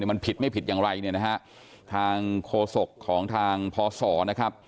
มันผิดไม่ผิดอย่างไรเนี่ยนะฮะทางโฆษกของทางพศนะครับ